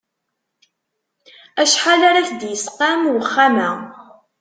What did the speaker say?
Acḥal ara k-d-isqam uxxam-a?